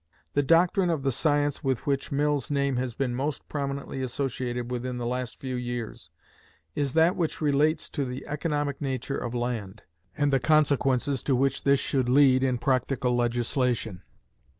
The doctrine of the science with which Mill's name has been most prominently associated within the last few years is that which relates to the economic nature of land, and the consequences to which this should lead in practical legislation.